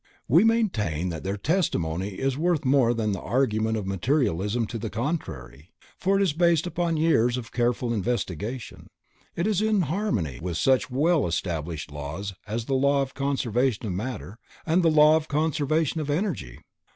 We maintain that their testimony is worth more than the argument of materialism to the contrary, for it is based upon years of careful investigation, it is in harmony with such well established laws as the law of conservation of matter and the law of conservation of energy.